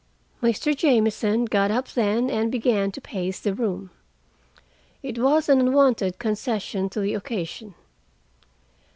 Mr. Jamieson got up then and began to pace the room. It was an unwonted concession to the occasion.